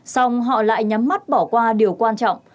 xong họ lại nhắm mắt bỏ qua điều quan trọng